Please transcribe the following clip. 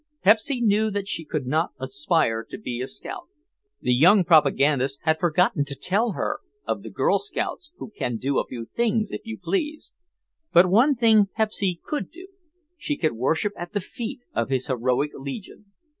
Pepsy knew that she could not aspire to be a scout. The young propagandist had forgotten to tell her of the Girl Scouts who can do a few things, if you please. But one thing Pepsy could do; she could worship at the feet of his heroic legion.